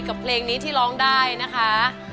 เพลงนี้ที่ร้องได้นะคะ